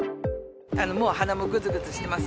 もう鼻もぐずぐずしてます。